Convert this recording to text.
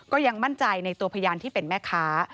ก็ยังมั่นใจในตัวพยานที่เป็นแม่ค้า